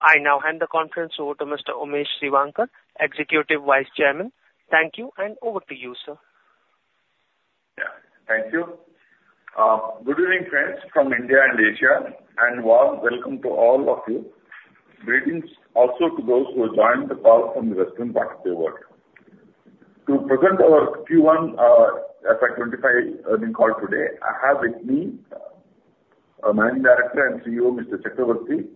I now hand the conference over to Mr. Umesh Revankar, Executive Vice Chairman. Thank you, and over to you, sir. Yeah, thank you. Good evening, friends from India and Asia, and warm welcome to all of you. Greetings also to those who have joined the call from the western part of the world. To present our Q1 FY 2025 earnings call today, I have with me Managing Director and CEO, Mr. Chakravarti,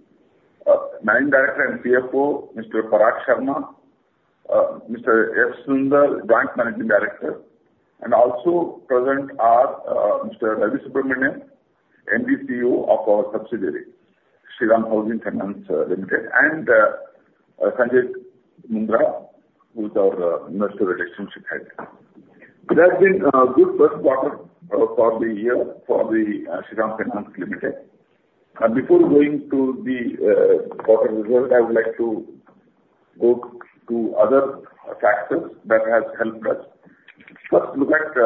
Managing Director and CFO, Mr. Parag Sharma, Mr. S. Sunder, Joint Managing Director, and also present are Mr. Ravi Subramanian, MD CEO of our subsidiary, Shriram Housing Finance Limited, and Sanjay Mundra, who is our Head of Investor Relations. There has been a good first quarter for the year for the Shriram Finance Limited. Before going to the quarter results, I would like to go to other factors that have helped us. First, look at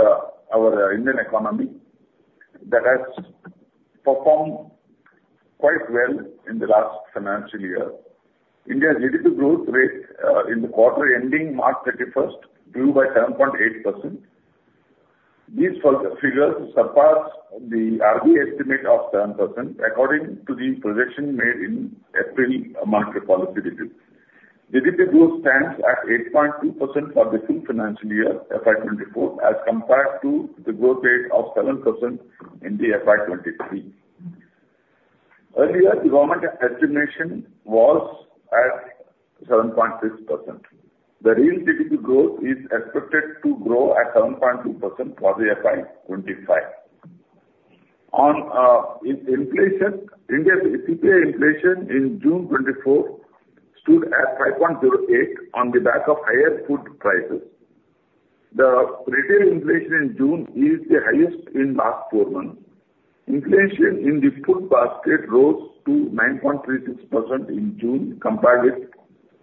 our Indian economy that has performed quite well in the last financial year. India's GDP growth rate in the quarter ending March 31st grew by 7.8%. These figures surpass the RBI estimate of 7% according to the projection made in April monetary policy review. GDP growth stands at 8.2% for the full financial year FY 2024 as compared to the growth rate of 7% in the FY 2023. Earlier, the government estimation was at 7.6%. The real GDP growth is expected to grow at 7.2% for the FY 2025. On inflation, India's CPI inflation in June 2024 stood at 5.08 on the back of higher food prices. The retail inflation in June is the highest in the last four months. Inflation in the food basket rose to 9.36% in June compared with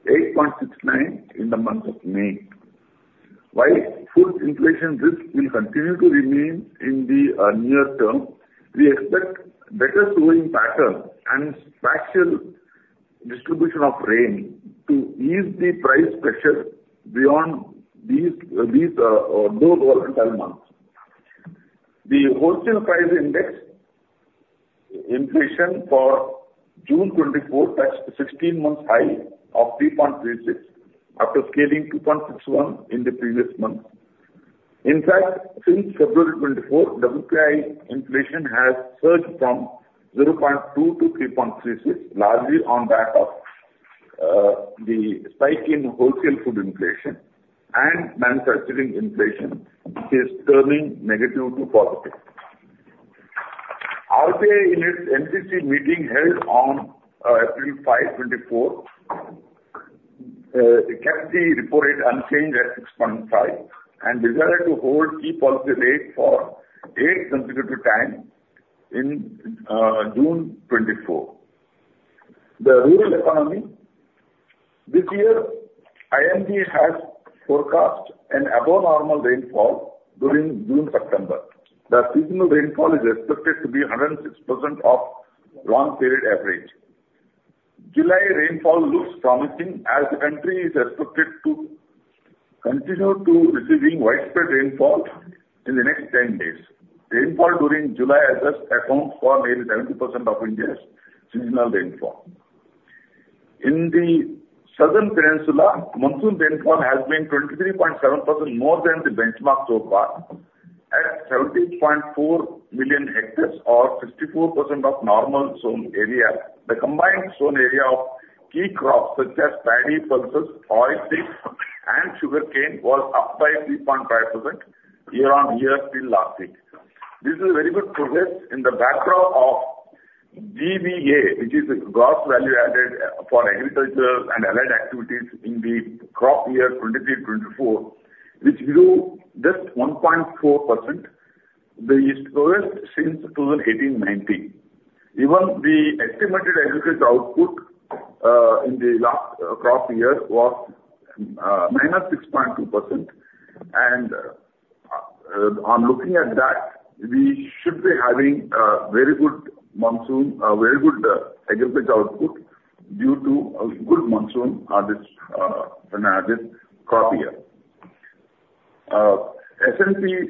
8.69% in the month of May. While food inflation risks will continue to remain in the near term, we expect better slowing pattern and spatial distribution of rain to ease the price pressure beyond these low volatile months. The wholesale price index inflation for June 2024 touched a 16-month high of 3.36% after scaling 2.61% in the previous month. In fact, since February 2024, WPI inflation has surged from 0.2% to 3.36%, largely on the back of the spike in wholesale food inflation, and manufacturing inflation is turning negative to positive. RBI, in its MPC meeting held on April 5, 2024, kept the repo rate unchanged at 6.5% and desired to hold key policy rate for eight consecutive times in June 2024. The rural economy this year, IMD has forecast an above-normal rainfall during June-September. The seasonal rainfall is expected to be 106% of long-period average. July rainfall looks promising as the country is expected to continue receiving widespread rainfall in the next 10 days. Rainfall during July adjusts accounts for nearly 70% of India's seasonal rainfall. In the southern peninsula, monsoon rainfall has been 23.7% more than the benchmark so far, at 78.4 million hectares or 64% of normal zone area. The combined zone area of key crops such as paddy, pulses, oilseeds, and sugarcane was up by 3.5% year-on-year till last week. This is a very good progress in the backdrop of GVA, which is gross value added for agriculture and allied activities in the crop year 2023-2024, which grew just 1.4%. This is the lowest since 2018-19. Even the estimated agriculture output in the last crop year was -6.2%. And on looking at that, we should be having a very good agriculture output due to good monsoon crop year. S&P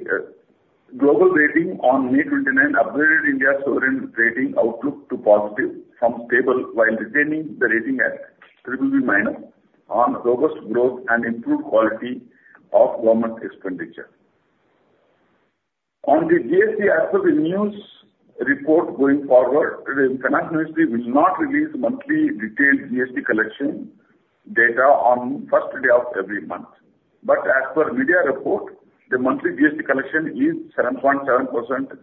Global Ratings on May 29 upgraded India's sovereign rating outlook to positive from stable while retaining the rating at BBB minus on robust growth and improved quality of government expenditure. On the GST, as per the news report going forward, the Finance Ministry will not release monthly detailed GST collection data on the first day of every month. But as per media report, the monthly GST collection is 7.7%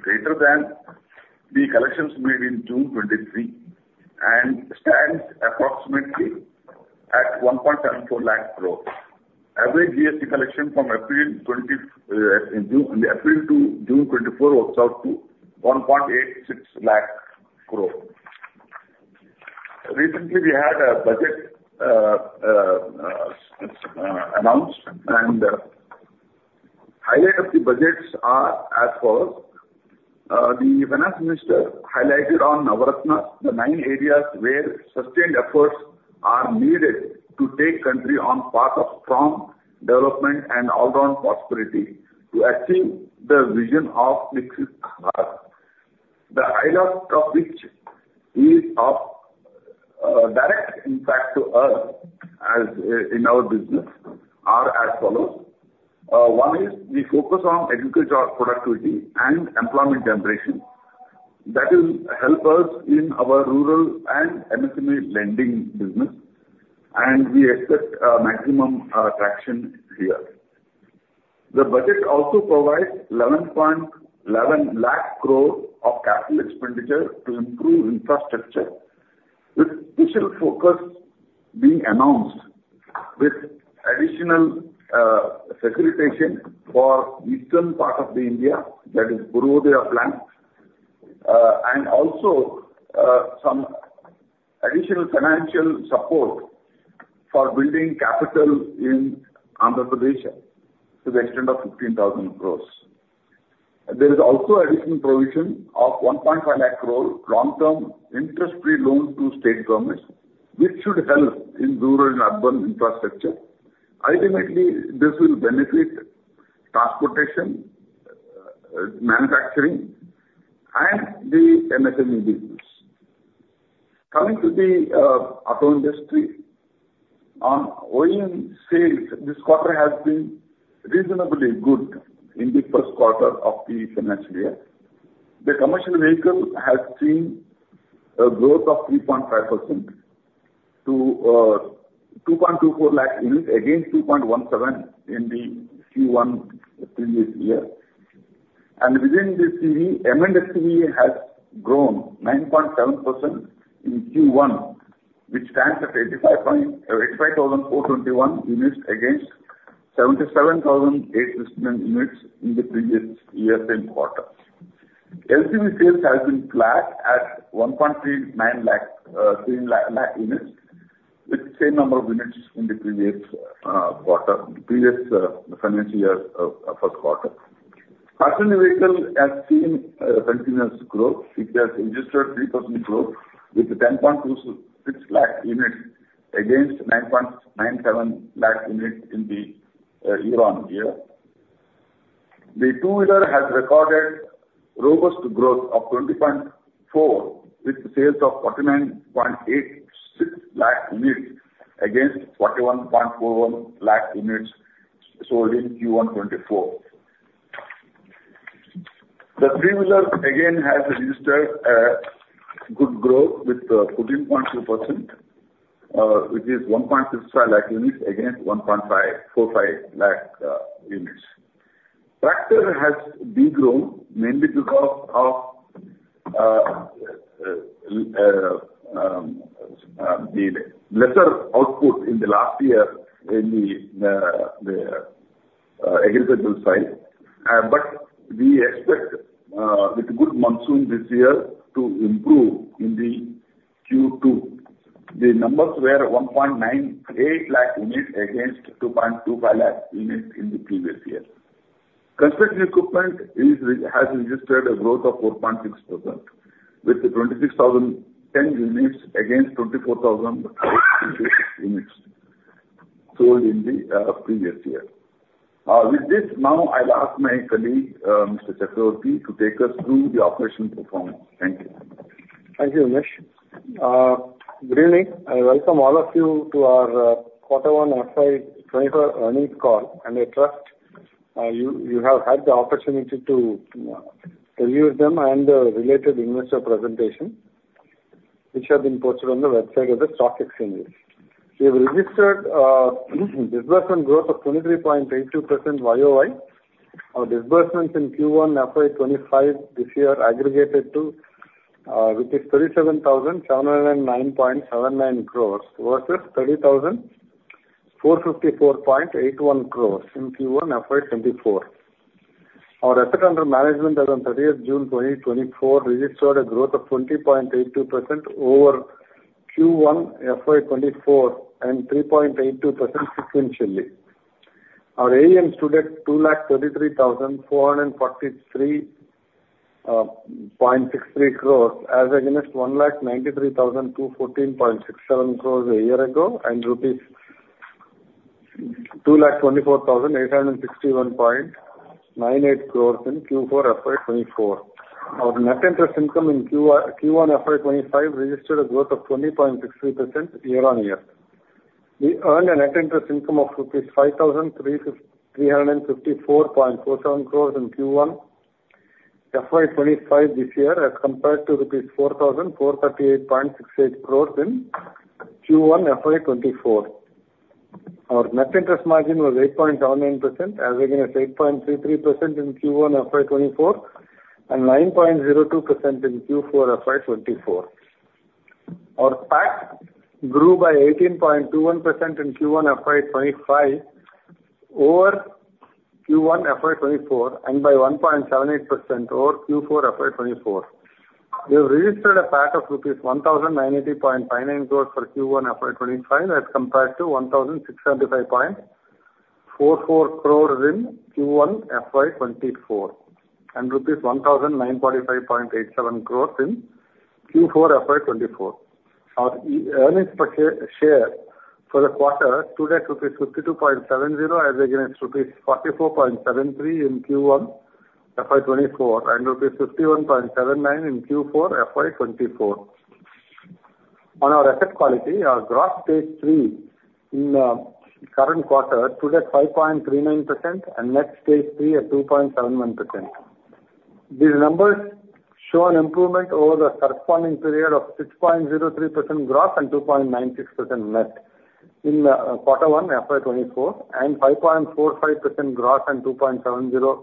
greater than the collections made in June 2023 and stands approximately at 174,000 crore. Average GST collection from April to June 2024 works out to 186,000 crore. Recently, we had a budget announced, and highlights of the budgets are as follows: The Finance Minister highlighted on Navratna the nine areas where sustained efforts are needed to take the country on path of strong development and all-round prosperity to achieve the vision of Viksit Bharat, the highlight of which is of direct impact to us in our business, as follows: One is we focus on agriculture productivity and employment generation. That will help us in our rural and MSME lending business, and we expect maximum traction here. The budget also provides 1,111,000 crore of capital expenditure to improve infrastructure, with special focus being announced with additional facilitation for the eastern part of India, that is Purvodaya, and also some additional financial support for building capital in Andhra Pradesh to the extent of 15,000 crore. There is also additional provision of 150,000 crore long-term interest-free loans to state governments, which should help in rural and urban infrastructure. Ultimately, this will benefit transportation, manufacturing, and the MSME business. Coming to the auto industry, on oil sales, this quarter has been reasonably good in the first quarter of the financial year. The commercial vehicle has seen a growth of 3.5% to 224,000 units against 217,000 in the Q1 previous year. Within the CV, M&HCV has grown 9.7% in Q1, which stands at 85,421 units against 77,869 units in the previous year's same quarter. LCV sales have been flat at 1.39 lakh units, with the same number of units in the previous quarter, the previous financial year's first quarter. Passenger vehicle has seen continuous growth. It has registered 3% growth with 10.26 lakh units against 9.97 lakh units in the year-on-year. The two-wheeler has recorded robust growth of 20.4% with sales of 49.86 lakh units against 41.41 lakh units sold in Q1 2024. The three-wheeler again has registered good growth with 14.2%, which is 1.65 lakh units against 1.45 lakh units. Tractor has grown mainly because of the lesser output in the last year in the agricultural side, but we expect with good monsoon this year to improve in the Q2. The numbers were 1.98 lakh units against 2.25 lakh units in the previous year. Construction equipment has registered a growth of 4.6% with 26,010 units against 24,086 units sold in the previous year. With this, now I'll ask my colleague, Mr. Chakravarti, to take us through the operational performance. Thank you. Thank you, Umesh. Good evening, and welcome all of you to our quarter-one FY 2024 earnings call. I trust you have had the opportunity to review them and the related investor presentations, which have been posted on the website of the stock exchanges. We have registered disbursement growth of 23.82% YOY. Our disbursements in Q1 FY 2025 this year aggregated to which is 37,709.79 crores versus 30,454.81 crores in Q1 FY 2024. Our Assets Under Management as of 30 June 2024 registered a growth of 20.82% over Q1 FY 2024 and 3.82% sequentially. Our AUM stood at 233,443.63 crores as against 193,214.67 crores a year ago and rupees 224,861.98 crores in Q4 FY 2024. Our net interest income in Q1 FY 2025 registered a growth of 20.63% year-on-year. We earned a net interest income of rupees 5,354.47 crores in Q1 FY 2025 this year as compared to rupees 4,438.68 crores in Q1 FY 2024. Our net interest margin was 8.79% as against 8.33% in Q1 FY 2024 and 9.02% in Q4 FY 2024. Our PAT grew by 18.21% in Q1 FY 2025 over Q1 FY 2024 and by 1.78% over Q4 FY 2024. We have registered a PAT of rupees 1,090.59 crores for Q1 FY 2025 as compared to 1,625.44 crores in Q1 FY 2024 and rupees 1,945.87 crores in Q4 FY 2024. Our earnings per share for the quarter stood at rupees 52.70 as against rupees 44.73 in Q1 FY 2024 and INR 51.79 in Q4 FY 2024. On our asset quality, our gross Stage III in the current quarter stood at 5.39% and net Stage III at 2.71%. These numbers show an improvement over the corresponding period of 6.03% gross and 2.96% net in quarter one FY 2024 and 5.45% gross and 2.70%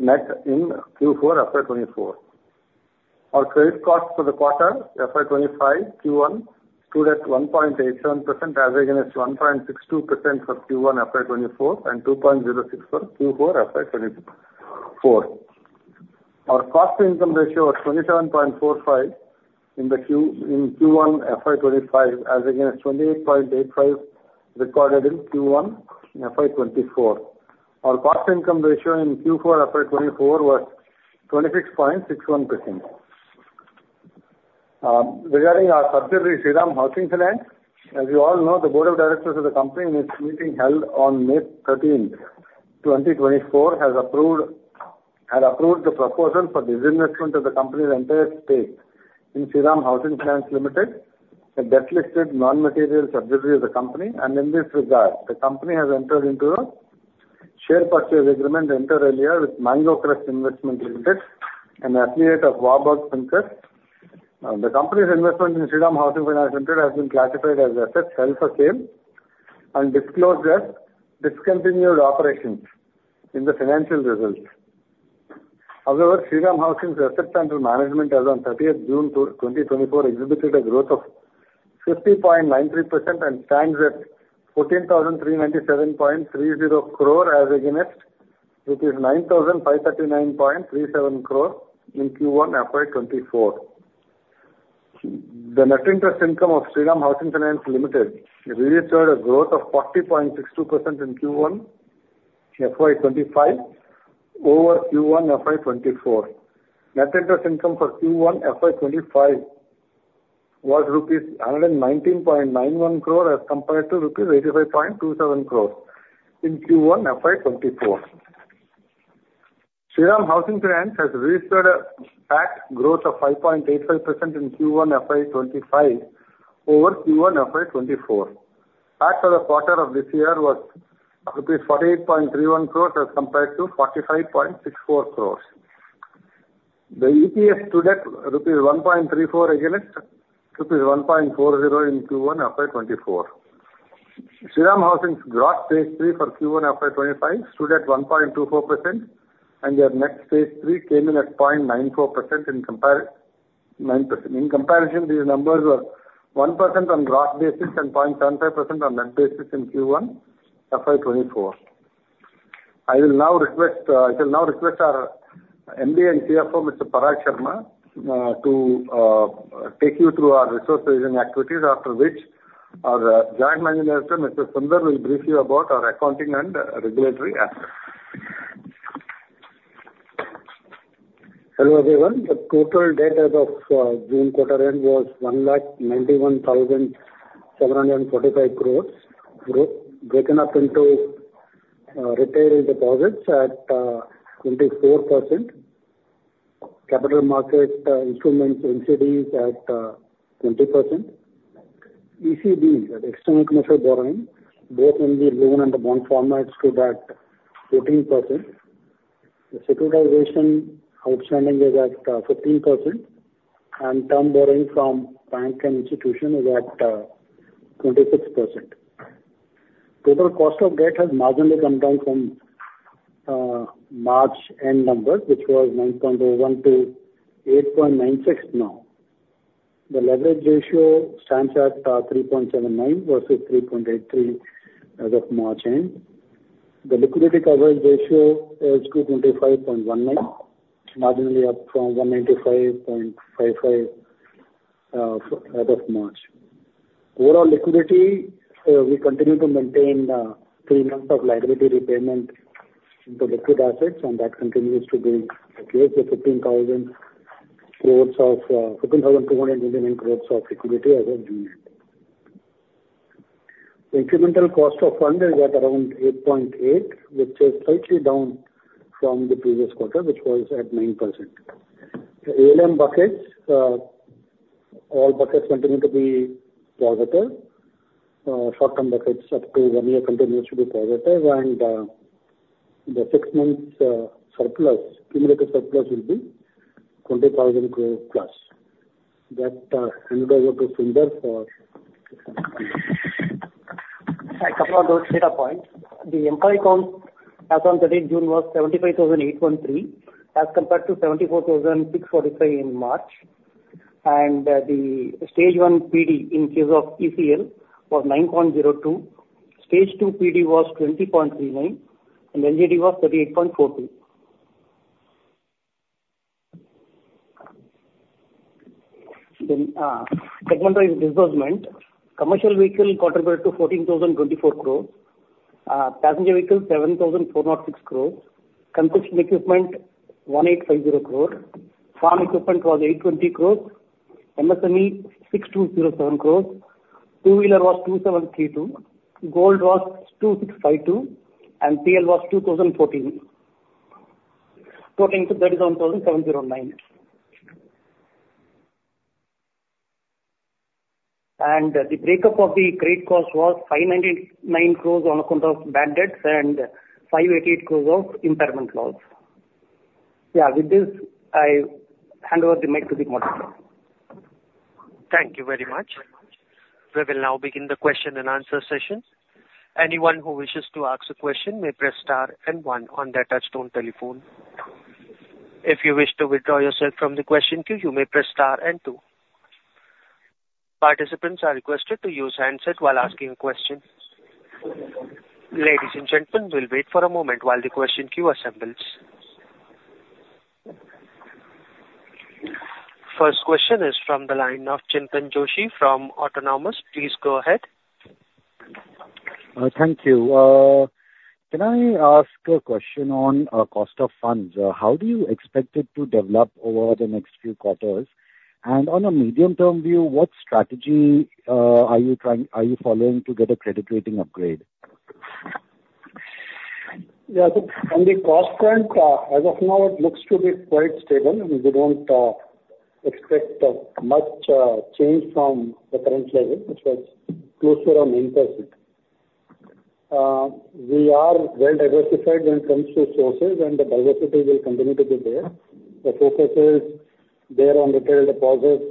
net in Q4 FY 2024. Our credit cost for the quarter FY 2025 Q1 stood at 1.87% as against 1.62% for Q1 FY 2024 and 2.06% for Q4 FY 2024. Our cost-to-income ratio was 27.45% in Q1 FY 2025 as against 28.85% recorded in Q1 FY 2024. Our cost-to-income ratio in Q4 FY 2024 was 26.61%. Regarding our subsidiary, Shriram Housing Finance, as you all know, the Board of Directors of the company in its meeting held on May 13, 2024, has approved the proposal for the divestment of the company's entire stake in Shriram Housing Finance Limited, a debt-listed non-material subsidiary of the company. In this regard, the company has entered into a share purchase agreement with Mango Crest Investment Limited, an affiliate of Warburg Pincus. The company's investment in Shriram Housing Finance Limited has been classified as assets held for sale and disclosed as discontinued operations in the financial results. However, Shriram Housing's assets under management as of 30th June 2024 exhibited a growth of 50.93% and stands at 14,397.30 crores as against 9,539.37 crores in Q1 FY 2024. The net interest income of Shriram Housing Finance Limited registered a growth of 40.62% in Q1 FY 2025 over Q1 FY 2024. Net interest income for Q1 FY 2025 was rupees 119.91 crores as compared to rupees 85.27 crores in Q1 FY 2024. Shriram Housing Finance has registered a PAT growth of 5.85% in Q1 FY 2025 over Q1 FY 2024. PAT for the quarter of this year was rupees 48.31 crores as compared to 45.64 crores. The EPS stood at rupees 1.34 against rupees 1.40 in Q1 FY 2024. Shriram Housing's gross Stage III for Q1 FY 2025 stood at 1.24%, and their net Stage III came in at 0.94% in comparison. In comparison, these numbers were 1% on gross basis and 0.75% on net basis in Q1 FY 2024. I will now request our MD and CFO, Mr. Parag Sharma, to take you through our resource-vision activities, after which our Joint Managing Director, Mr. S. Sunder, will brief you about our accounting and regulatory aspects. Hello everyone. The total debt as of June quarter end was 191,745 crore, broken up into retail deposits at 24%, capital market instruments, NCDs at 20%, ECBs, external commercial borrowing, both in the loan and the bond formats stood at 14%. The securitization outstanding is at 15%, and term borrowing from bank and institution is at 26%. Total cost of debt has marginally come down from March end numbers, which was 9.01% to 8.96% now. The leverage ratio stands at 3.79 versus 3.83 as of March end. The liquidity coverage ratio is 225.19, marginally up from 195.55 as of March. Overall liquidity, we continue to maintain three months of liability repayment into liquid assets, and that continues to be at least 15,229 crores of liquidity as of June. The incremental cost of funds is at around 8.8%, which is slightly down from the previous quarter, which was at 9%. ALM buckets, all buckets continue to be positive. Short-term buckets up to one year continues to be positive, and the six-month surplus, cumulative surplus will be INR 20,000 crores plus. That handed over to Sundar for. A couple of those data points. The employee accounts as of the date June was 75,813 as compared to 74,645 in March. The Stage I PD in case of ECL was 9.02. Stage II PD was 20.39, and LGD was 38.42. Segment-wise disbursement, commercial vehicle contributed to 14,024 crore, passenger vehicle 7,406 crore, construction equipment 1,850 crore, farm equipment was 820 crore, MSME 6,207 crore, two-wheeler was 2,732 crore, gold was 2,652 crore, and PL was 2,014 crore. Total income INR 37,709 crore. The breakup of the credit cost was 599 crore on account of bad debts and 588 crore of impairment loss. Yeah, with this, I hand over the mic to the moderator. Thank you very much. We will now begin the question and answer session. Anyone who wishes to ask a question may press star and one on their touch-tone telephone. If you wish to withdraw yourself from the question queue, you may press star and two. Participants are requested to use handset while asking a question. Ladies and gentlemen, we'll wait for a moment while the question queue assembles. First question is from the line of Chintan Joshi from Autonomous. Please go ahead. Thank you. Can I ask a question on cost of funds? How do you expect it to develop over the next few quarters? And on a medium-term view, what strategy are you following to get a credit rating upgrade? Yeah, so on the cost front, as of now, it looks to be quite stable. We don't expect much change from the current level, which was closer to 9%. We are well diversified when it comes to sources, and the diversity will continue to be there. The focus is there on retail deposits,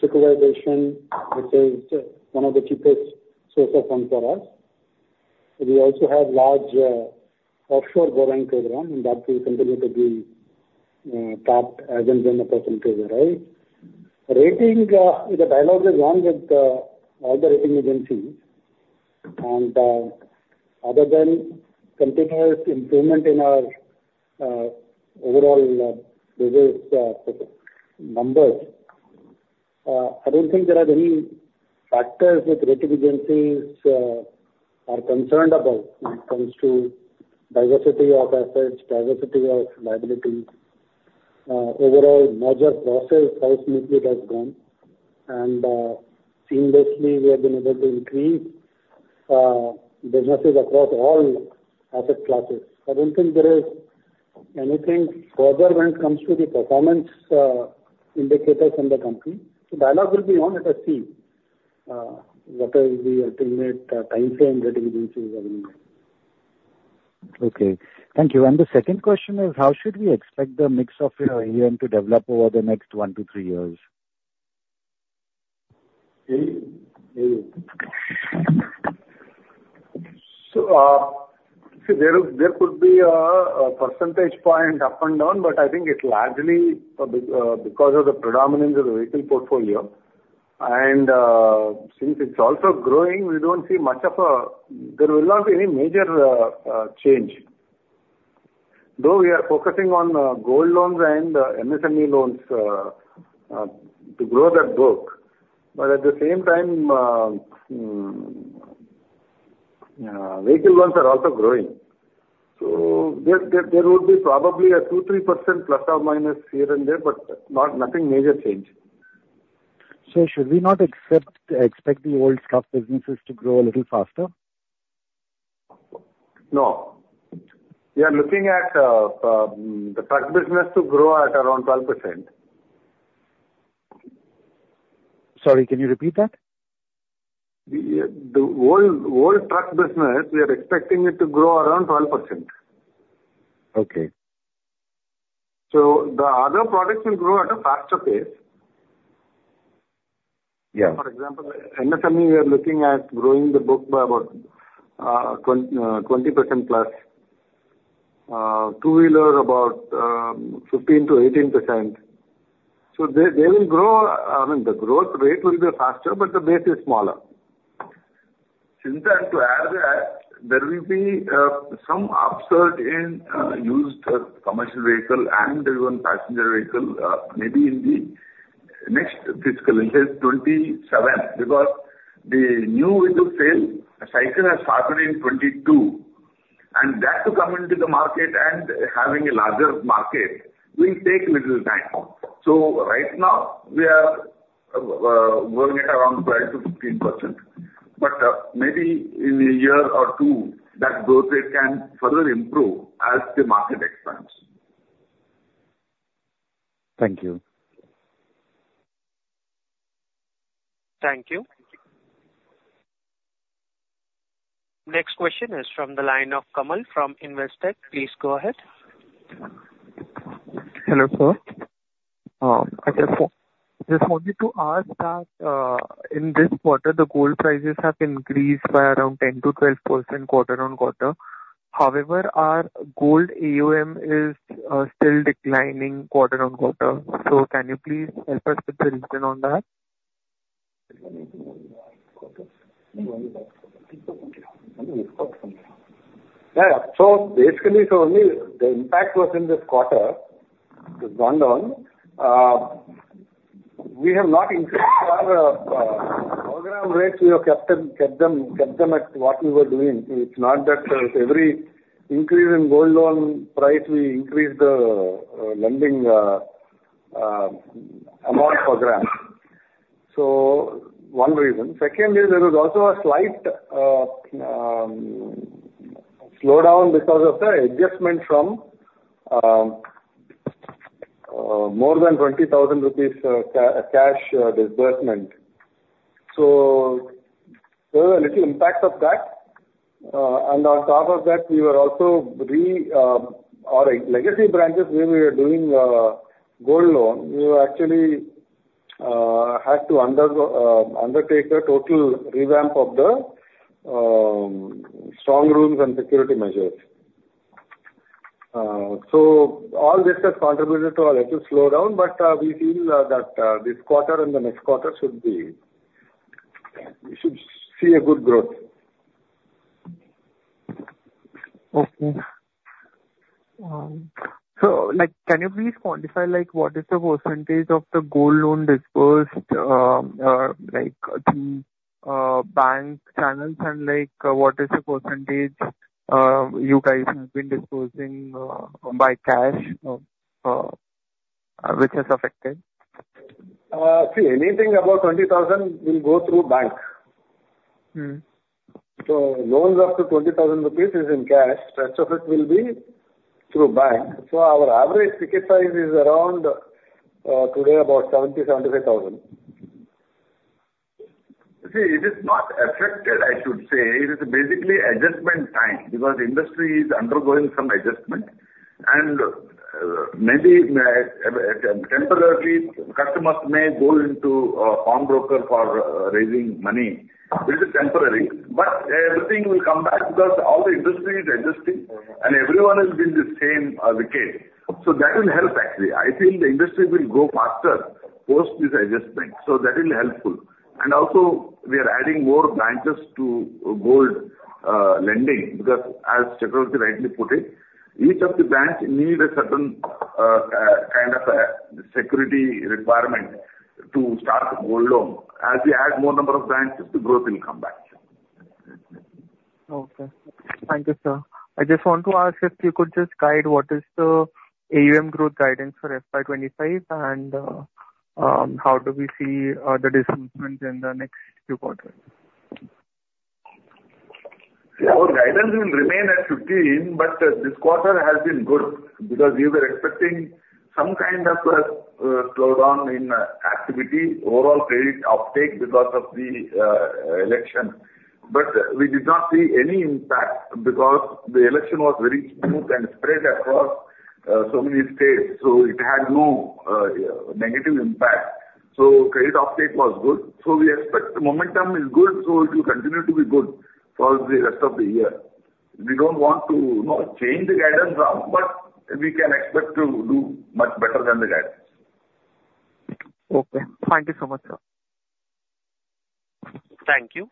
securitization, which is one of the cheapest sources of funds for us. We also have large offshore borrowing programs, and that will continue to be tapped as and when the opportunity arises. The dialogue is on with all the rating agencies. And other than continuous improvement in our overall business numbers, I don't think there are any factors that rating agencies are concerned about when it comes to diversity of assets, diversity of liabilities, overall merger process, how smoothly it has gone. And seamlessly, we have been able to increase businesses across all asset classes. I don't think there is anything further when it comes to the performance indicators from the company. The dialogue will be on as I see what is the ultimate timeframe rating agencies are going to get. Okay. Thank you. The second question is, how should we expect the mix of your AUM to develop over the next one to three years? AUM? So there could be a percentage point up and down, but I think it's largely because of the predominance of the vehicle portfolio. And since it's also growing, we don't see much of a, there will not be any major change. Though we are focusing on gold loans and MSME loans to grow that book, but at the same time, vehicle loans are also growing. So there would be probably a 2%-3%± here and there, but nothing major change. Should we not expect the old stock businesses to grow a little faster? No. We are looking at the truck business to grow at around 12%. Sorry, can you repeat that? The old truck business, we are expecting it to grow around 12%. Okay. The other products will grow at a faster pace. Yeah. For example, MSME, we are looking at growing the book by about 20%+. Two-wheeler, about 15%-18%. So they will grow, I mean, the growth rate will be faster, but the base is smaller. Chintan, to add that, there will be some upsurge in used commercial vehicle and even passenger vehicle maybe in the next fiscal year, say 2027, because the new vehicle sales cycle has started in 2022. And that to come into the market and having a larger market will take a little time. So right now, we are going at around 12%-15%. But maybe in a year or two, that growth rate can further improve as the market expands. Thank you. Thank you. Next question is from the line of Kamal from Investec. Please go ahead. Hello sir. I just wanted to ask that in this quarter, the gold prices have increased by around 10%-12% quarter-over-quarter. However, our gold AUM is still declining quarter-over-quarter. So can you please help us with the reason on that? Yeah, so basically, the impact was in this quarter. It's gone down. We have not increased our program rates. We have kept them at what we were doing. It's not that every increase in gold loan price, we increase the lending amount program. So one reason. Secondly, there was also a slight slowdown because of the adjustment from more than 20,000 rupees cash disbursement. So there was a little impact of that. And on top of that, we were also, our legacy branches where we were doing gold loans, we actually had to undertake a total revamp of the strong rooms and security measures. So all this has contributed to a little slowdown, but we feel that this quarter and the next quarter should see a good growth. Okay. So can you please quantify what is the percentage of the gold loan disbursed to bank channels? And what is the percentage you guys have been disbursing by cash, which has affected? See, anything above 20,000 will go through bank. So loans up to 20,000 rupees is in cash. The rest of it will be through bank. So our average ticket size is around today about 70,000, 75,000. See, it is not affected, I should say. It is basically adjustment time because the industry is undergoing some adjustment. And maybe temporarily, customers may go into a pawn broker for raising money. It is temporary. But everything will come back because all the industry is adjusting, and everyone is in the same decade. So that will help, actually. I feel the industry will go faster post this adjustment. So that will be helpful. And also, we are adding more branches to gold lending because, as Shriram rightly put it, each of the branches needs a certain kind of security requirement to start gold loan. As we add more number of branches, the growth will come back. Okay. Thank you, sir. I just want to ask if you could just guide what is the AUM growth guidance for FY 2025 and how do we see the disbursement in the next few quarters? See, our guidance will remain at 15, but this quarter has been good because we were expecting some kind of slowdown in activity, overall credit uptake because of the election. But we did not see any impact because the election was very smooth and spread across so many states. So it had no negative impact. So credit uptake was good. So we expect the momentum is good. So it will continue to be good for the rest of the year. We don't want to change the guidance around, but we can expect to do much better than the guidance. Okay. Thank you so much, sir. Thank you.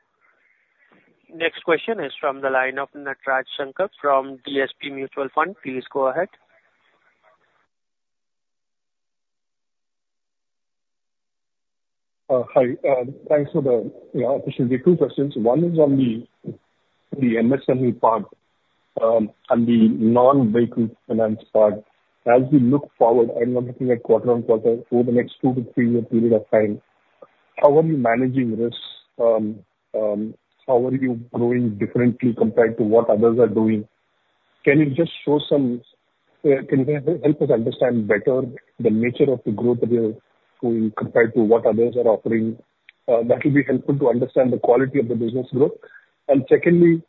Next question is from the line of Natraj Shankar from DSP Mutual Fund. Please go ahead. Hi. Thanks for the opportunity. Two questions. One is on the MSME part and the non-vehicle finance part. As we look forward, and I'm looking at quarter-on-quarter over the next two to three years period of time, how are you managing this? How are you growing differently compared to what others are doing? Can you just help us understand better the nature of the growth that you're doing compared to what others are offering? That will be helpful to understand the quality of the business growth. And secondly,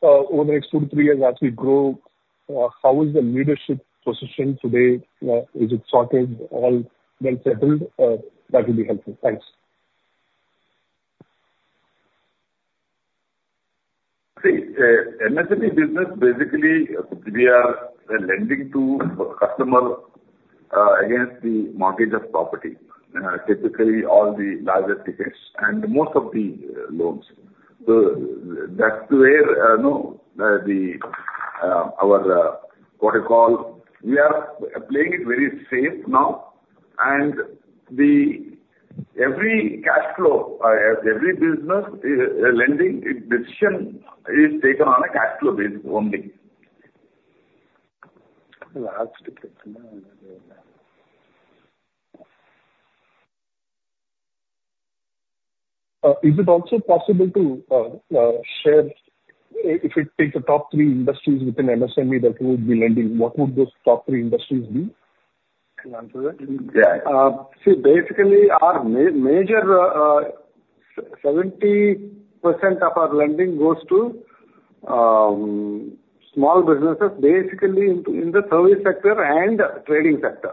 over the next two to three years, as we grow, how is the leadership position today? Is it sorted? All well settled? That will be helpful. Thanks. See, MSME business, basically, we are lending to customers against the mortgage of property, typically all the larger tickets and most of the loans. So that's where our protocol. We are playing it very safe now. And every cash flow, every business lending, the decision is taken on a cash flow basis only. Last question. Is it also possible to share if it takes the top three industries within MSME that would be lending? What would those top three industries be? Yeah. See, basically, our major 70% of our lending goes to small businesses, basically in the service sector and trading sector.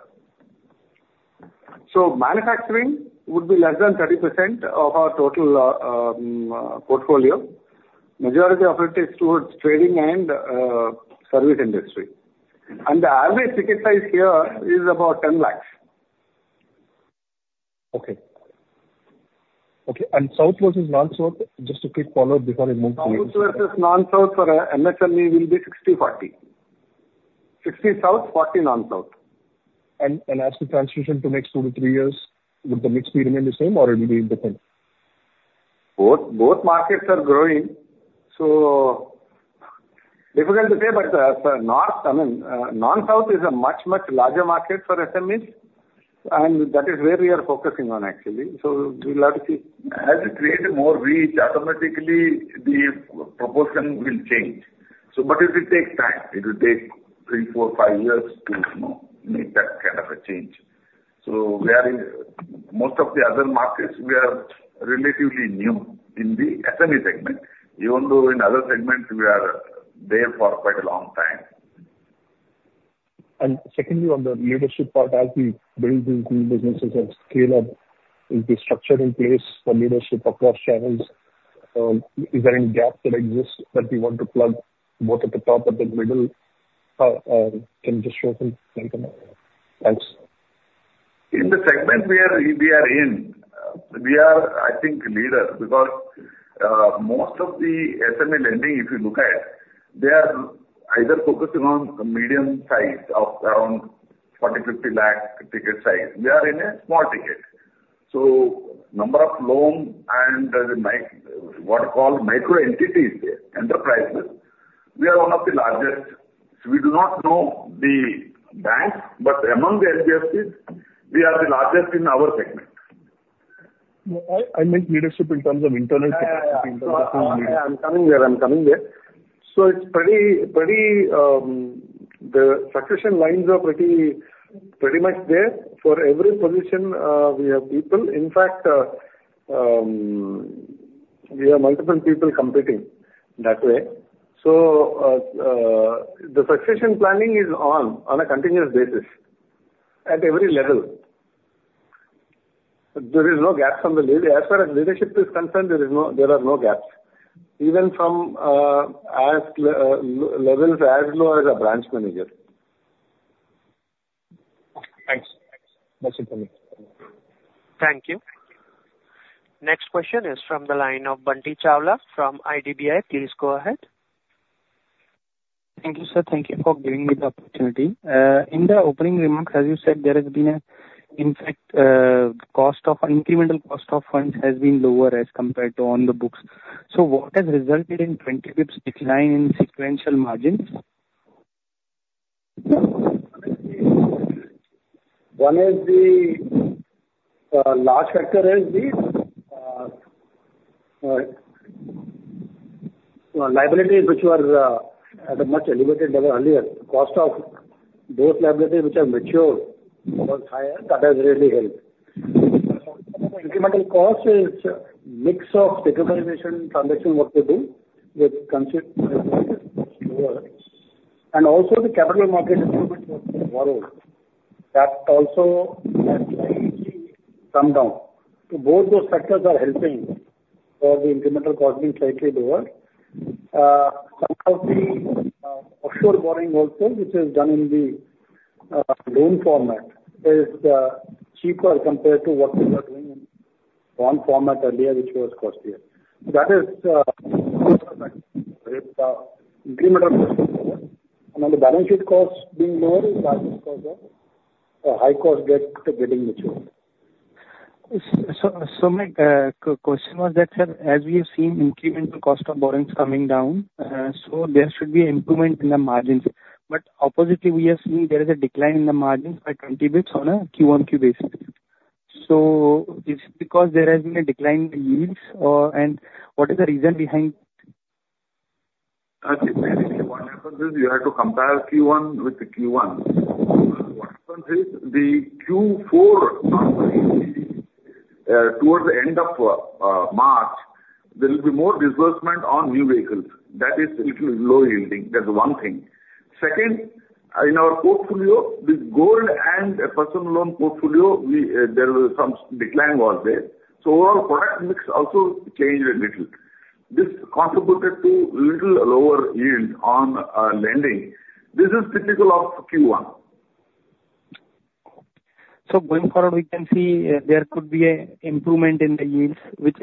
So manufacturing would be less than 30% of our total portfolio. Majority of it is towards trading and service industry. And the average ticket size here is about 10 lakh. Okay. Okay. And South versus North South, just a quick follow-up before I move to you. South versus North. South for MSME will be 60-40. 60 South, 40 North. As the transition to next two to three years, would the mix be remained the same, or will it be different? Both markets are growing. So difficult to say, but North, I mean, North South is a much, much larger market for SMEs. And that is where we are focusing on, actually. So we'll have to see. As we create more reach, automatically the proportion will change. But it will take time. It will take three, four, five years to make that kind of a change. So most of the other markets, we are relatively new in the SME segment. Even though in other segments, we are there for quite a long time. And secondly, on the leadership part, as we build these new businesses and scale up, is the structure in place for leadership across channels? Is there any gaps that exist that we want to plug both at the top and the middle? Can you just show some? Thanks. In the segment we are in, we are, I think, leaders because most of the SME lending, if you look at, they are either focusing on medium size of around 40-50 lakh ticket size. We are in a small ticket. So number of loans and what are called micro entities, enterprises, we are one of the largest. So we do not know the banks, but among the LBFCs, we are the largest in our segment. I meant leadership in terms of internal capacity. Yeah, I'm coming there. I'm coming there. So it's pretty—the succession lines are pretty much there. For every position, we have people. In fact, we have multiple people competing that way. So the succession planning is on a continuous basis at every level. There is no gap from the leader. As far as leadership is concerned, there are no gaps, even from levels as low as a branch manager. Thanks. That's it for me. Thank you. Next question is from the line of Bunty Chawla from IDBI. Please go ahead. Thank you, sir. Thank you for giving me the opportunity. In the opening remarks, as you said, there has been a—in fact, incremental cost of funds has been lower as compared to on the books. So what has resulted in 20 basis points decline in sequential margins? One is the large factor is the liabilities, which were at a much elevated level earlier. The cost of those liabilities, which are matured, was higher. That has really helped. Incremental cost is a mix of securitization transaction what we do with lower. And also, the capital market improvement what we borrowed. That also has slightly come down. So both those factors are helping for the incremental cost being slightly lower. Some of the offshore borrowing also, which is done in the loan format, is cheaper compared to what we were doing in bond format earlier, which was costlier. That is incremental cost. And on the balance sheet cost being lower, that is because of high-cost debt getting matured. My question was that, sir, as we have seen incremental cost of borrowings coming down, so there should be an improvement in the margins. But oppositely, we have seen there is a decline in the margins by 20 basis points on a QoQ basis. Is it because there has been a decline in yields? And what is the reason behind? I think basically what happens is you have to compare Q1 with the Q1. What happens is the Q4, towards the end of March, there will be more disbursement on new vehicles. That is low yielding. That's one thing. Second, in our portfolio, with gold and personal loan portfolio, there was some decline was there. So overall product mix also changed a little. This contributed to a little lower yield on lending. This is typical of Q1. Going forward, we can see there could be an improvement in the yields, which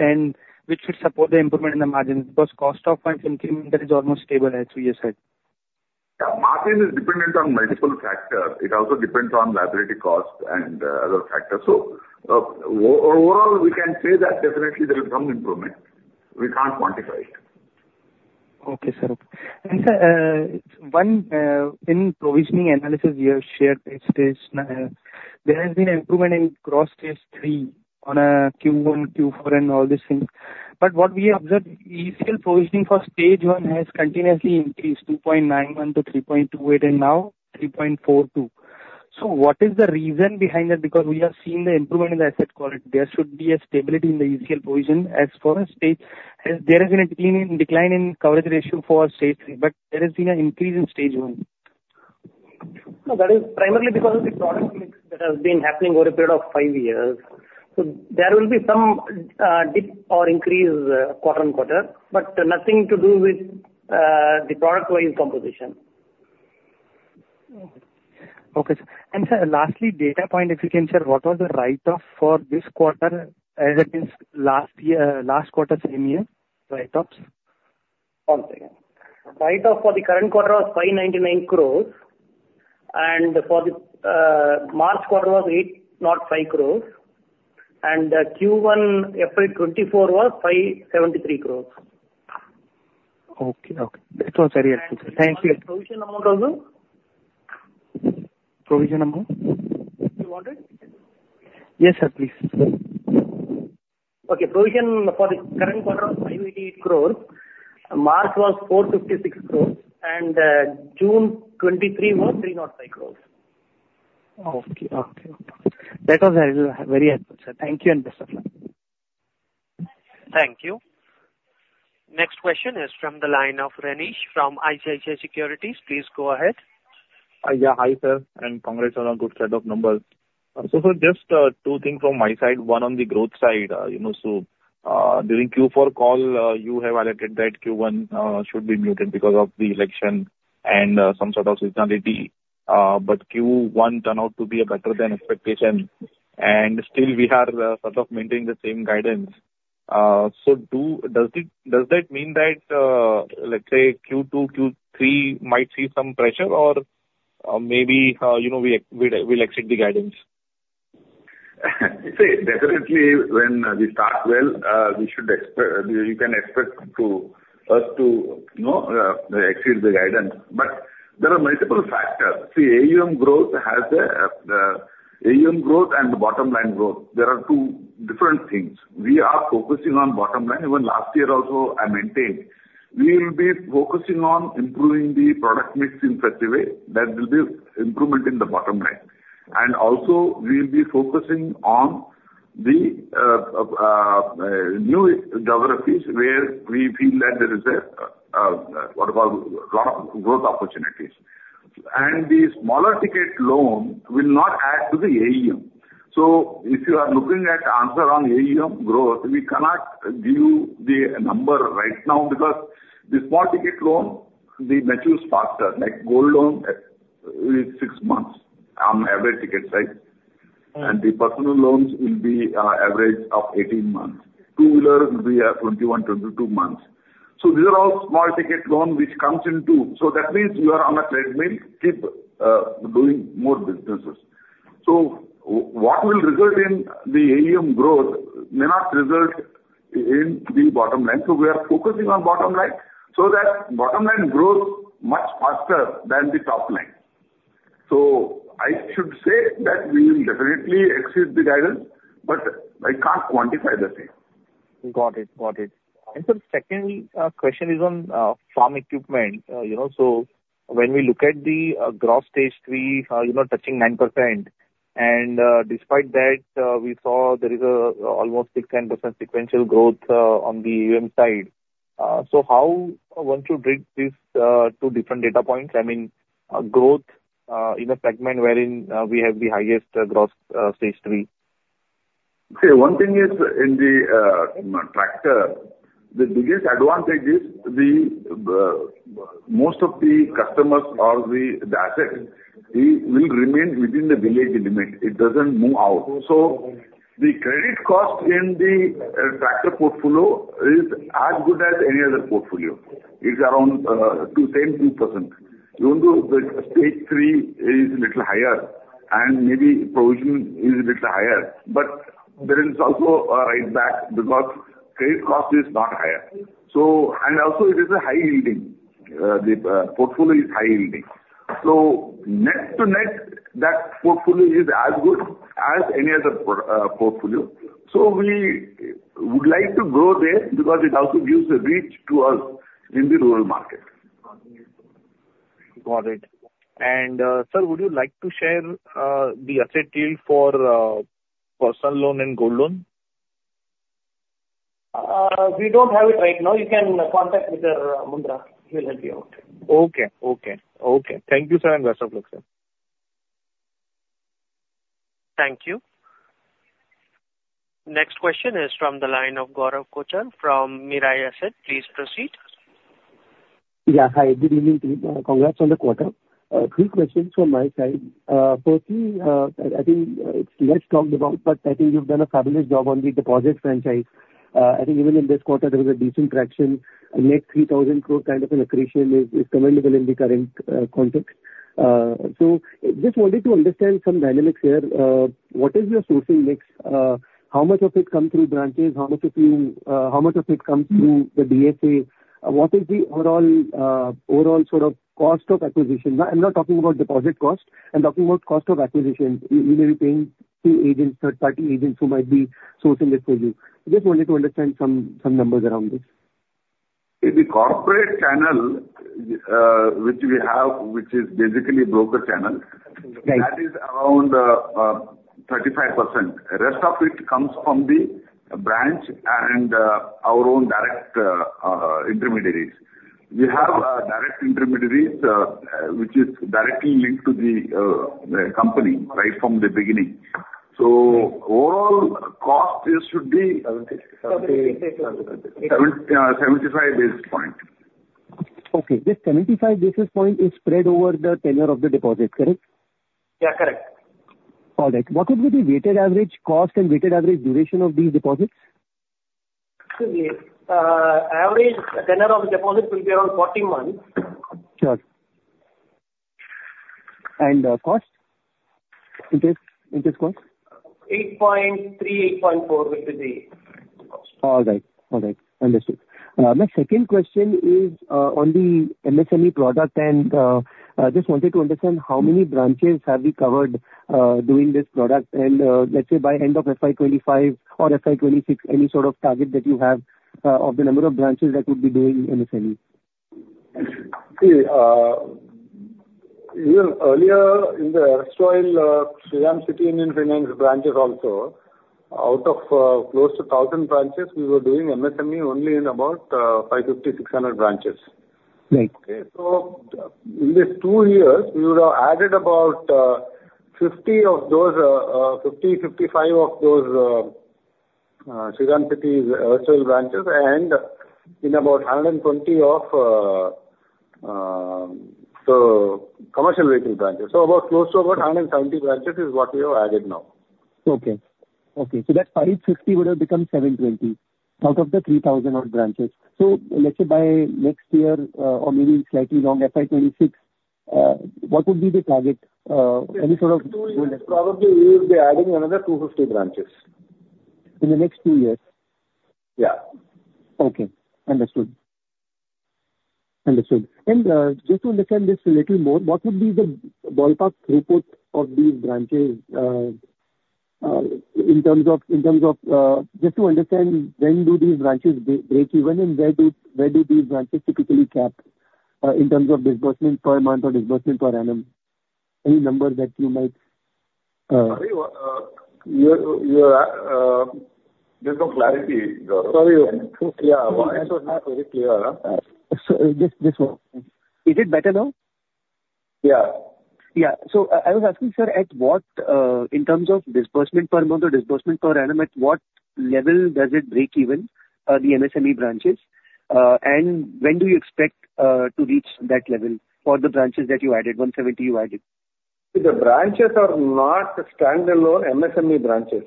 should support the improvement in the margins because cost of increment is almost stable, as you said. Yeah. Margin is dependent on multiple factors. It also depends on liability cost and other factors. So overall, we can say that definitely there is some improvement. We can't quantify it. Okay, sir. Sir, one thing in provisioning analysis we have shared is that there has been an improvement in gross Stage III on Q1, Q4, and all these things. But what we observed, ECL provisioning for Stage I has continuously increased 2.91-3.28 and now 3.42. So what is the reason behind that? Because we have seen the improvement in the asset quality. There should be a stability in the ECL provision as far as Stage II, there has been a decline in coverage ratio for Stage III, but there has been an increase in Stage I. That is primarily because of the product mix that has been happening over a period of five years. There will be some dip or increase quarter-on-quarter, but nothing to do with the product-wise composition. Okay. And sir, lastly, data point, if you can, sir, what was the write-off for this quarter as it is last quarter, same year write-offs? One second. Write-off for the current quarter was 599 crores, and for the March quarter was 805 crores, and Q1/FY 2024 was 573 crores. Okay. Okay. That was very helpful, sir. Thank you. Provision amount also? Provision amount? You want it? Yes, sir, please. Okay. Provision for the current quarter was 588 crore. March was 456 crore, and June 23 was 305 crore. Okay. Okay. That was very helpful, sir. Thank you and best of luck. Thank you. Next question is from the line of Renish from ICICI Securities. Please go ahead. Yeah. Hi, sir. And congrats on a good set of numbers. So sir, just two things from my side. One on the growth side. So during Q4 call, you have highlighted that Q1 should be muted because of the election and some sort of seasonality, but Q1 turned out to be better than expectation. And still, we are sort of maintaining the same guidance. So does that mean that, let's say, Q2, Q3 might see some pressure, or maybe we'll exceed the guidance? See, definitely, when we start well, we should expect you can expect us to exceed the guidance. But there are multiple factors. See, AUM growth has the AUM growth and the bottom line growth. There are two different things. We are focusing on bottom line. Even last year also, I maintained we will be focusing on improving the product mix in such a way that there will be improvement in the bottom line. And also, we will be focusing on the new geographies where we feel that there is a lot of growth opportunities. And the smaller ticket loan will not add to the AUM. So if you are looking at the answer on AUM growth, we cannot give you the number right now because the small ticket loan, they mature faster, like gold loan, it's six months on average ticket size. The personal loans will be an average of 18 months. Two-wheelers will be 21-22 months. So these are all small ticket loans which come into play—so that means you are on a treadmill, keep doing more businesses. So what will result in the AUM growth may not result in the bottom line. So we are focusing on bottom line so that bottom line grows much faster than the top line. So I should say that we will definitely exceed the guidance, but I can't quantify the thing. Got it. Got it. And sir, the second question is on farm equipment. So when we look at the gross Stage III, touching 9%, and despite that, we saw there is almost 6%-10% sequential growth on the AUM side. So how, once you read these two different data points, I mean, growth in a segment wherein we have the highest gross Stage III? See, one thing is in the tractor, the biggest advantage is most of the customers or the assets, they will remain within the village limit. It doesn't move out. So the credit cost in the tractor portfolio is as good as any other portfolio. It's around 2%, 3%. Even though the Stage III is a little higher and maybe provision is a little higher, but there is also a write-back because credit cost is not higher. And also, it is a high-yielding. The portfolio is high-yielding. So net-to-net, that portfolio is as good as any other portfolio. So we would like to grow there because it also gives a reach to us in the rural market. Got it. Sir, would you like to share the asset yield for personal loan and gold loan? We don't have it right now. You can contact Mr. Mundra. He'll help you out. Okay. Okay. Okay. Thank you, sir, and best of luck, sir. Thank you. Next question is from the line of Gaurav Kochar from Mirae Asset. Please proceed. Yeah. Hi. Good evening to you. Congrats on the quarter. Two questions from my side. Firstly, I think it's less talked about, but I think you've done a fabulous job on the deposit franchise. I think even in this quarter, there was a decent traction. Net 3,000 crore kind of an accretion is commendable in the current context. So just wanted to understand some dynamics here. What is your sourcing mix? How much of it comes through branches? How much of it comes through the DSA? What is the overall sort of cost of acquisition? I'm not talking about deposit cost. I'm talking about cost of acquisition. You may be paying two agents, third-party agents who might be sourcing it for you. Just wanted to understand some numbers around this. In the corporate channel, which we have, which is basically broker channel, that is around 35%. The rest of it comes from the branch and our own direct intermediaries. We have direct intermediaries, which is directly linked to the company right from the beginning. So overall cost should be 75 basis points. Okay. This 75 basis point is spread over the tenure of the deposit, correct? Yeah, correct. All right. What would be the weighted average cost and weighted average duration of these deposits? Average tenure of the deposit will be around 14 months. Sure. And cost? In case cost? 8.3, 8.4, which is the cost. All right. All right. Understood. My second question is on the MSME product, and I just wanted to understand how many branches have we covered doing this product? And let's say by end of FY 2025 or FY 226, any sort of target that you have of the number of branches that would be doing MSME? See, even earlier in the Shriram City Union Finance branches also, out of close to 1,000 branches, we were doing MSME only in about 550-600 branches. Okay. So in these two years, we would have added about 50 of those, 50-55 of those Shriram City Union Finance branches, and in about 120 of the commercial vehicle branches. So close to about 170 branches is what we have added now. Okay. Okay. So that 550 would have become 720 out of the 3,000 branches. So let's say by next year or maybe slightly long FY 2026, what would be the target? Any sort of goal? Next two years, probably we will be adding another 250 branches. In the next two years? Yeah. Okay. Understood. Understood. And just to understand this a little more, what would be the ballpark throughput of these branches in terms of just to understand when do these branches break even and where do these branches typically cap in terms of disbursement per month or disbursement per annum? Any numbers that you might? Sorry? There's no clarity, Gaurav. Sorry. Yeah. My answer is not very clear. So just this one. Is it better now? Yeah. Yeah. So I was asking, sir, in terms of disbursement per month or disbursement per annum, at what level does it break even, the MSME branches? And when do you expect to reach that level for the branches that you added, 170 you added? The branches are not standalone MSME branches.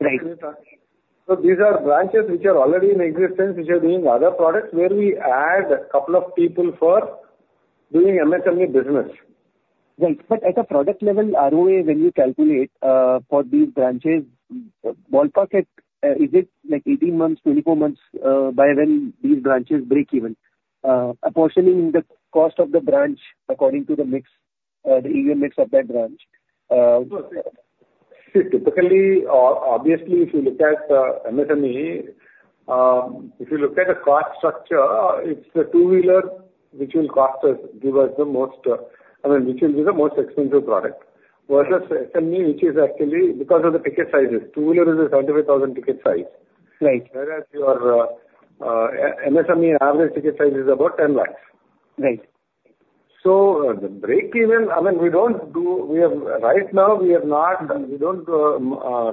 Right. These are branches which are already in existence, which are doing other products where we add a couple of people for doing MSME business. Right. But at a product level, ROA, when you calculate for these branches, ballpark, is it like 18 months, 24 months by when these branches break even? Apportioning the cost of the branch according to the mix of the AUM mix of that branch? See, typically, obviously, if you look at MSME, if you look at the cost structure, it's the two-wheeler which will cost us, give us the most I mean, which will be the most expensive product versus SME, which is actually because of the ticket sizes. Two-wheeler is a 75,000 ticket size. Right. Whereas your MSME average ticket size is about 10 lakh. Right. The break even, I mean, we don't do right now, we don't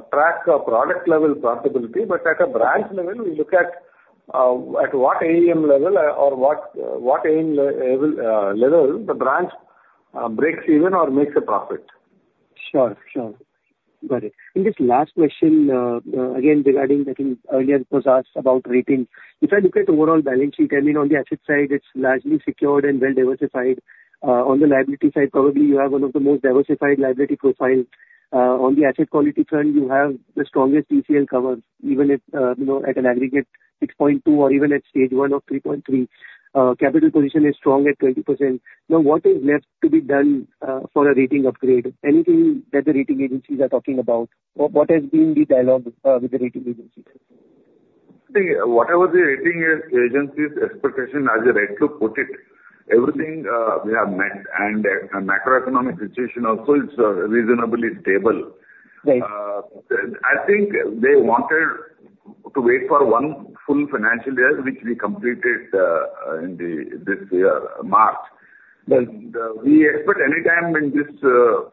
track product-level profitability, but at a branch level, we look at what AUM level or what level the branch breaks even or makes a profit. Sure. Sure. Got it. And this last question, again, regarding I think earlier was asked about rating. If I look at the overall balance sheet, I mean, on the asset side, it's largely secured and well-diversified. On the liability side, probably you have one of the most diversified liability profiles. On the asset quality front, you have the strongest ECL cover, even at an aggregate 6.2 or even at Stage I of 3.3. Capital position is strong at 20%. Now, what is left to be done for a rating upgrade? Anything that the rating agencies are talking about? What has been the dialogue with the rating agencies? See, whatever the rating agencies' expectation as they're right to put it, everything we have met, and macroeconomic situation also, it's reasonably stable. Right. I think they wanted to wait for one full financial year, which we completed in this year, March. But we expect anytime in this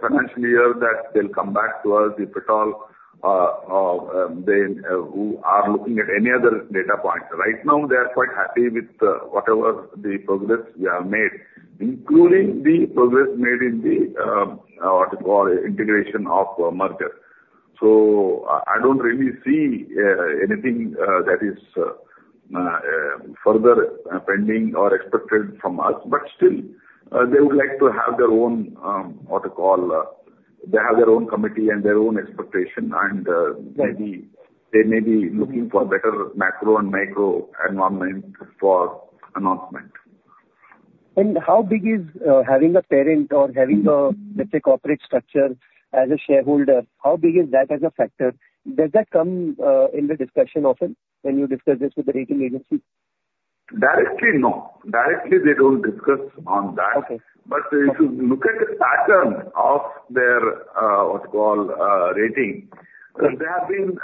financial year that they'll come back to us if at all they are looking at any other data points. Right now, they are quite happy with whatever the progress we have made, including the progress made in the integration of merger. So I don't really see anything that is further pending or expected from us. But still, they would like to have their own, what you call, they have their own committee and their own expectation, and they may be looking for better macro and micro environment for announcement. And how big is having a parent or having a, let's say, corporate structure as a shareholder? How big is that as a factor? Does that come in the discussion often when you discuss this with the rating agencies? Directly, no. Directly, they don't discuss on that. Okay. If you look at the pattern of their, what you call, rating, they have been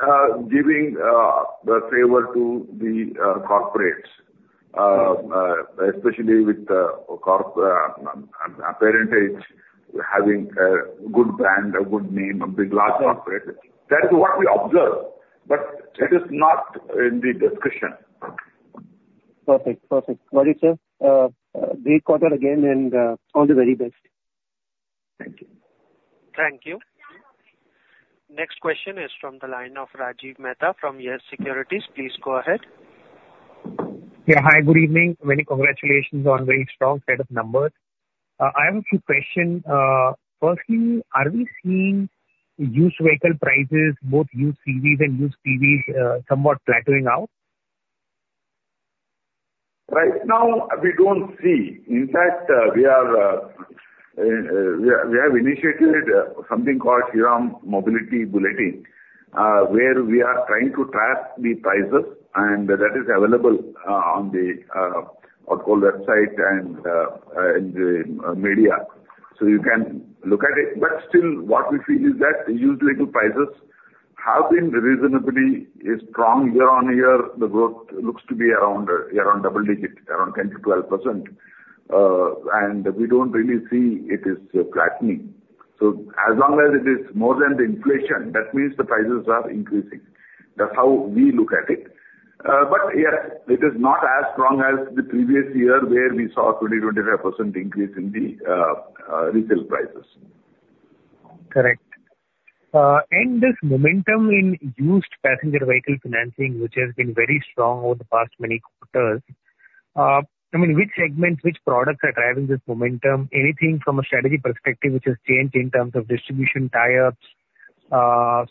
giving the favor to the corporates, especially with the parentage having a good brand, a good name, a big large corporate. That is what we observe. It is not in the discussion. Perfect. Perfect. Got it, sir. Great quarter again, and all the very best. Thank you. Thank you. Next question is from the line of Rajiv Mehta from YES Securities. Please go ahead. Yeah. Hi. Good evening. Many congratulations on very strong set of numbers. I have a few questions. Firstly, are we seeing used vehicle prices, both used CVs and used PVs, somewhat flattening out? Right now, we don't see. In fact, we have initiated something called Shriram Mobility Bulletin, where we are trying to track the prices, and that is available on the what you call website and in the media. So you can look at it. But still, what we feel is that used vehicle prices have been reasonably strong year-on-year. The growth looks to be around double digit, around 10%-12%. And we don't really see it is flattening. So as long as it is more than the inflation, that means the prices are increasing. That's how we look at it. But yes, it is not as strong as the previous year where we saw 20%-25% increase in the retail prices. Correct. And this momentum in used passenger vehicle financing, which has been very strong over the past many quarters, I mean, which segments, which products are driving this momentum? Anything from a strategy perspective which has changed in terms of distribution tie-ups?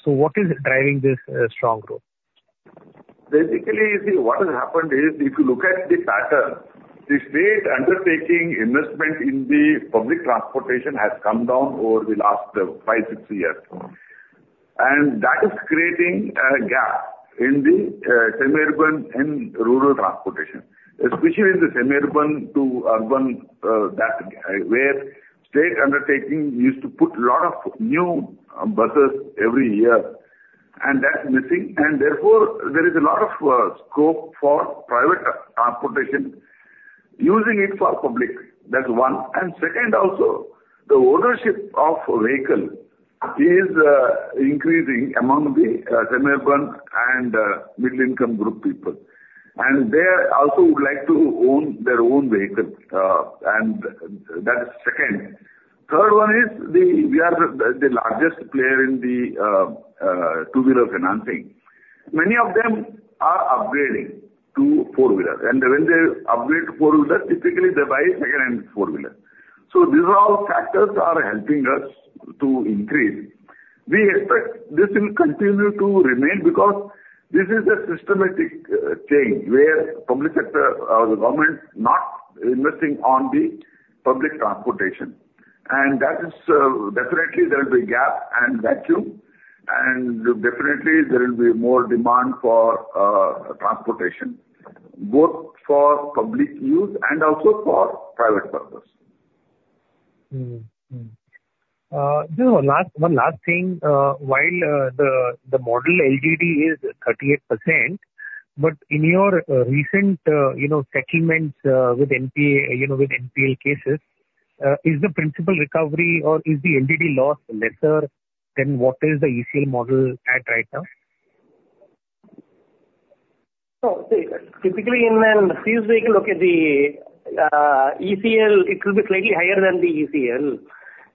So what is driving this strong growth? Basically, see, what has happened is if you look at the pattern, the state undertaking investment in the public transportation has come down over the last five to six years. That is creating a gap in the semi-urban and rural transportation, especially in the semi-urban to urban where state undertaking used to put a lot of new buses every year. That's missing. Therefore, there is a lot of scope for private transportation using it for public. That's one. Second, also, the ownership of vehicle is increasing among the semi-urban and middle-income group people. They also would like to own their own vehicle. That is second. Third one is we are the largest player in the two-wheeler financing. Many of them are upgrading to four-wheeler. When they upgrade to four-wheeler, typically they buy second-hand four-wheeler. So these are all factors that are helping us to increase. We expect this will continue to remain because this is a systematic change where public sector or the government not investing on the public transportation. And that is definitely there will be gap and vacuum. And definitely, there will be more demand for transportation, both for public use and also for private purpose. Just one last thing. While the model LGD is 38%, but in your recent settlements with NPL cases, is the principal recovery or is the LGD loss lesser than what is the ECL model at right now? So typically, in the seized vehicle, okay, the ECL, it will be slightly higher than the ECL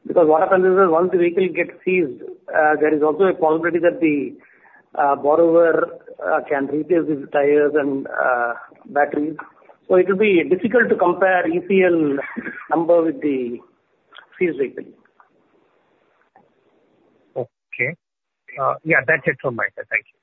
because what happens is that once the vehicle gets seized, there is also a possibility that the borrower can replace these tires and batteries. So it will be difficult to compare ECL number with the seized vehicle. Okay. Yeah. That's it from my side. Thank you.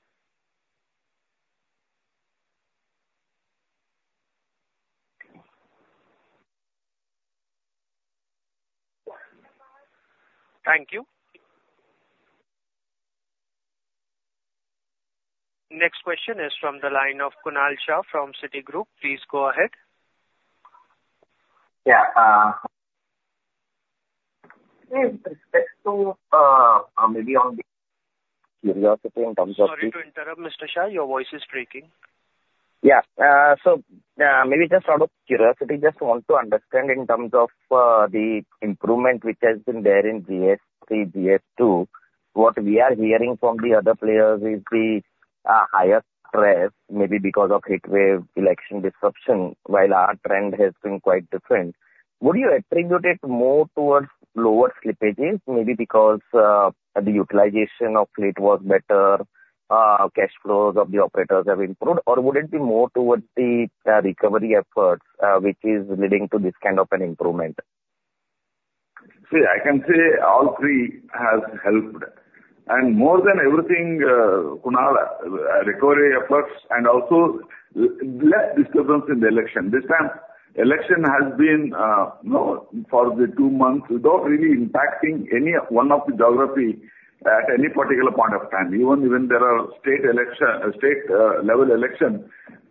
Thank you. Next question is from the line of Kunal Shah from Citigroup. Please go ahead. Yeah. With respect to maybe on the curiosity in terms of the. Sorry to interrupt, Mr. Shah. Your voice is breaking. Yeah. So maybe just out of curiosity, just want to understand in terms of the improvement which has been there in Stage III, Stage II, what we are hearing from the other players is the higher stress, maybe because of heat wave election disruption, while our trend has been quite different. Would you attribute it more towards lower slippages, maybe because the utilization of fleet was better, cash flows of the operators have improved, or would it be more towards the recovery efforts which is leading to this kind of an improvement? See, I can say all three have helped. And more than everything, Kunal, recovery efforts and also less disruptions in the election. This time, election has been for the two months without really impacting any one of the geographies at any particular point of time. Even when there are state-level elections,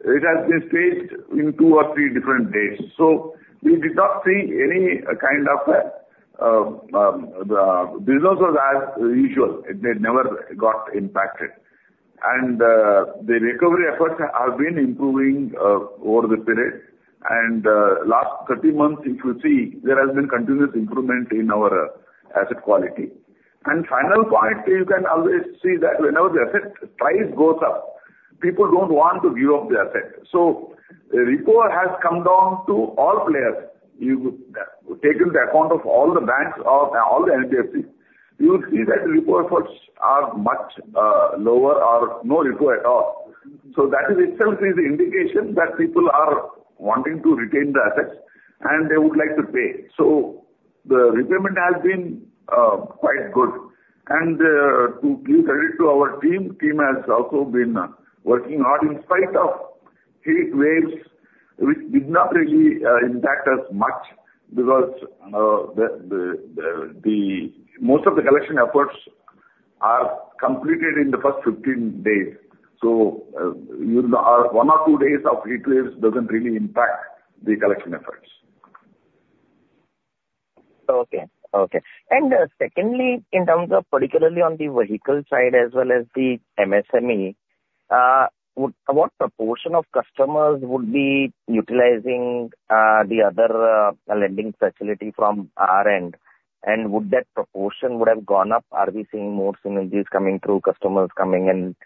it has been staged in two or three different days. So we did not see any kind of business as usual. It never got impacted. And the recovery efforts have been improving over the period. And last 30 months, if you see, there has been continuous improvement in our asset quality. And final point, you can always see that whenever the asset price goes up, people don't want to give up the asset. So the report has come down to all players. You take into account of all the banks or all the NBFCs, you will see that the recovery efforts are much lower or no recovery at all. So that in itself is the indication that people are wanting to retain the assets, and they would like to pay. So the repayment has been quite good. And to give credit to our team, team has also been working hard in spite of heat waves, which did not really impact us much because most of the collection efforts are completed in the first 15 days. So 1 or 2 days of heat waves doesn't really impact the collection efforts. Okay. Okay. And secondly, in terms of particularly on the vehicle side as well as the MSME, what proportion of customers would be utilizing the other lending facility from our end? And would that proportion have gone up? Are we seeing more synergies coming through customers coming and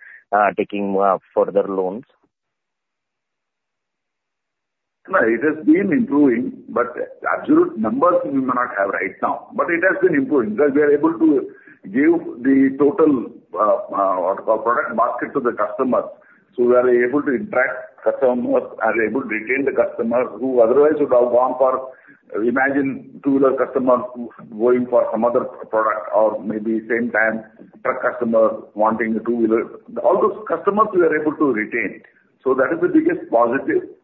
taking further loans? It has been improving, but absolute numbers we may not have right now. But it has been improving because we are able to give the total what you call product basket to the customers. So we are able to interact customers are able to retain the customers who otherwise would have gone for, imagine, two-wheeler customers going for some other product or maybe same-time truck customers wanting a two-wheeler. All those customers we are able to retain. So that is the biggest positive.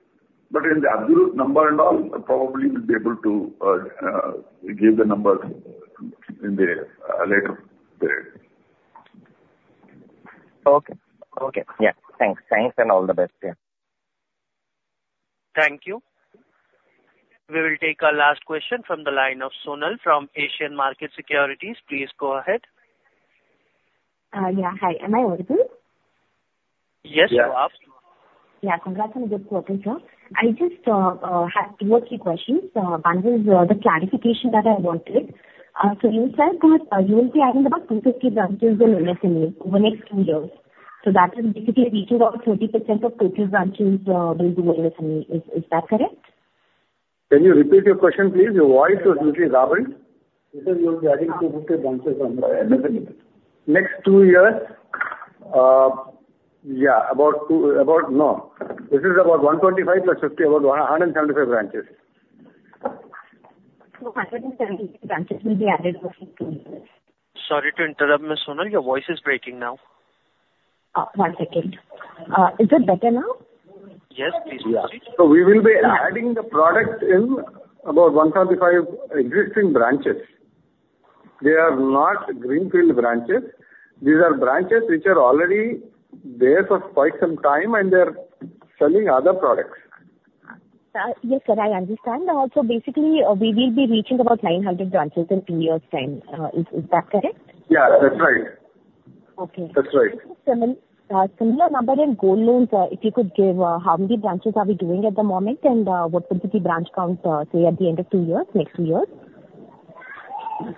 But in the absolute number and all, probably we'll be able to give the numbers in the later period. Okay. Okay. Yeah. Thanks. Thanks and all the best. Yeah. Thank you. We will take our last question from the line of Sonal from Asian Markets Securities. Please go ahead. Yeah. Hi. Am I audible? Yes. You are. Yeah. Congrats on a good quarter, sir. I just have two or three questions. One is the clarification that I wanted. So you said that you will be adding about 250 branches in MSME over the next two years. So that is basically reaching about 30% of total branches will be in MSME. Is that correct? Can you repeat your question, please? Your voice was usually garbled. You said you will be adding 250 branches in MSME. Next two years, yeah, about no. This is about 125 + 50, about 175 branches. 175 branches will be added next two years. Sorry to interrupt, Ms. Sonal. Your voice is breaking now. One second. Is it better now? Yes. Please do. We will be adding the product in about 135 existing branches. They are not greenfield branches. These are branches which are already there for quite some time, and they're selling other products. Yes, sir. I understand. Also, basically, we will be reaching about 900 branches in two years' time. Is that correct? Yeah. That's right. Okay. That's right. Similar number in gold loans, if you could give how many branches are we doing at the moment? And what would be the branch count, say, at the end of two years, next two years?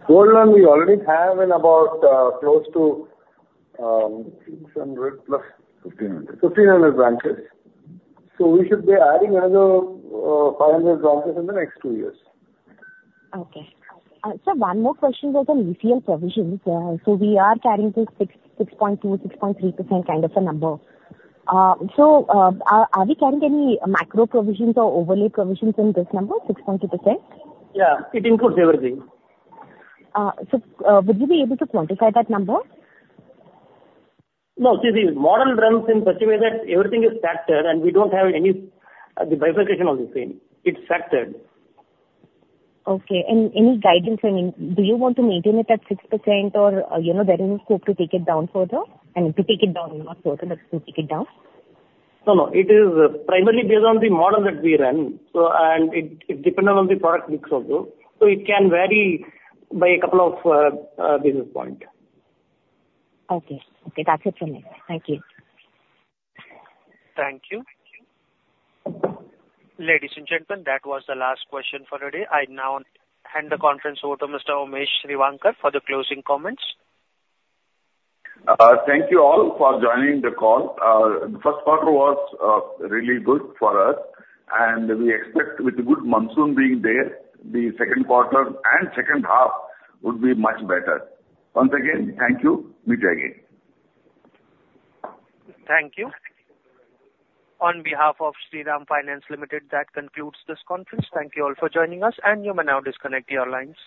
Gold loan, we already have in about close to 600 plus 1500 branches. So we should be adding another 500 branches in the next two years. Okay. Sir, one more question about the ECL provisions. So we are carrying this 6.2%-6.3% kind of a number. So are we carrying any macro provisions or overlay provisions in this number, 6.2%? Yeah. It includes everything. Would you be able to quantify that number? No. See, the model runs in such a way that everything is factored, and we don't have any bifurcation of the same. It's factored. Okay. Any guidance? I mean, do you want to maintain it at 6% or there is a scope to take it down further? I mean, to take it down, not further, but to take it down? No, no. It is primarily based on the model that we run, and it depends on the product mix also. So it can vary by a couple of basis points. Okay. Okay. That's it from me. Thank you. Thank you. Ladies and gentlemen, that was the last question for today. I now hand the conference over to Mr. Umesh Revankar for the closing comments. Thank you all for joining the call. The first quarter was really good for us. We expect with the good monsoon being there, the second quarter and second half would be much better. Once again, thank you. Meet you again. Thank you. On behalf of Shriram Finance Limited, that concludes this conference. Thank you all for joining us. You may now disconnect your lines.